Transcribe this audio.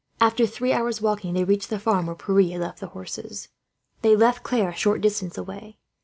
After three hours' walking, they reached the farm where Pierre had left the horses. They left Claire a short distance away.